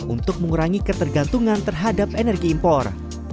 untuk mengurangi ketergantungan terhadap energi impor